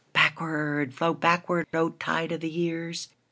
Backward, flow backward, O tide of the years!